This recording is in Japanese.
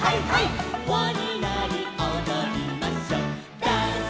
「わになりおどりましょう」